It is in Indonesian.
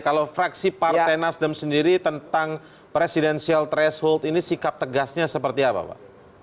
kalau fraksi partai nasdem sendiri tentang presidensial threshold ini sikap tegasnya seperti apa pak